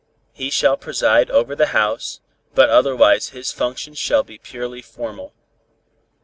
He shall preside over the House, but otherwise his functions shall be purely formal.